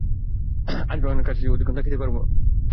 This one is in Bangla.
আজ ভাই অনেক কাজ আছে, অধিকক্ষণ থাকিতে পারিব না।